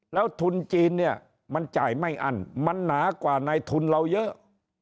แล้วทุนจีนเนี่ยมันจ่ายไม่อั้นมันหนากว่าในทุนเราเยอะ